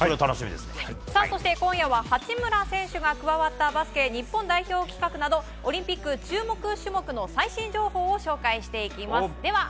そして今夜は八村選手が加わったバスケ日本代表企画などオリンピック注目種目の最新情報を紹介していきます。